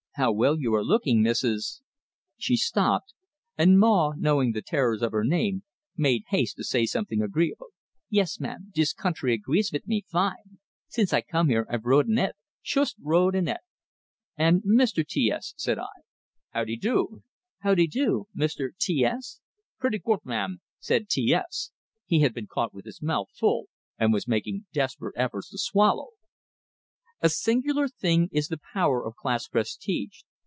How well you are looking, Mrs. " She stopped; and Maw, knowing the terrors of her name, made haste to say something agreeable. "Yes, ma'am; dis country agrees vit me fine. Since I come here, I've rode and et, shoost rode and et." "And Mr. T S," said I. "Howdydo, Mr. T S?" "Pretty good, ma'am," said T S. He had been caught with his mouth full, and was making desperate efforts to swallow. A singular thing is the power of class prestige!